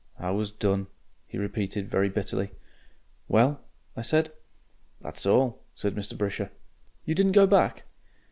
"I was done," he repeated, very bitterly. "Well?" I said. "That's all," said Mr. Brisher. "You didn't go back?"